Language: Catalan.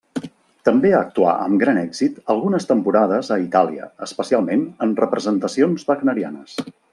També actuà amb gran èxit algunes temporades a Itàlia, especialment en representacions wagnerianes.